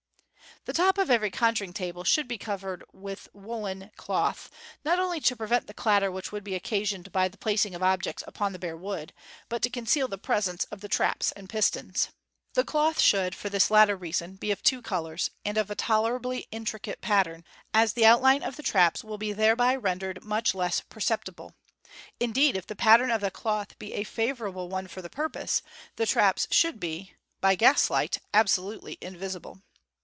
The top of every conjuring table should be covered with woollen cloth, not only to prevent the clatter which would be occasioned by the placing of objects upon the bare wood, but to conceal the presence of the traps and pistons. The cloth used should, for this latter reason, be of two colours, and of a tolerably intricate pattern, as the outline of the traps will be thereby rendered much less perceptible j indeed, if the pattern of the cloth be a favourable one for the purpose, the traps should be, by gas light, absolutely in visible.